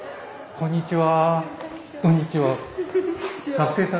こんにちは。